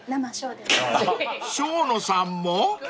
［生野さんも？］